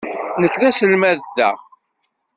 Nekk d aselmad da.